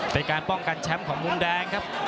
เป็นการป้องกันแชมป์ของมุมแดงครับ